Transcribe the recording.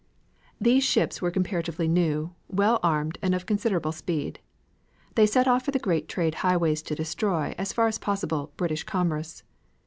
These ships were comparatively new, well armed, and of considerable speed. They set off for the great trade highways to destroy, as far as possible, British commerce.